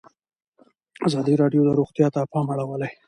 ازادي راډیو د روغتیا ته پام اړولی.